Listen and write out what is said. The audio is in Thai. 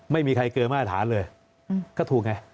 ไม่มีใครเกินมาตรฐานเลยก็ถูกไง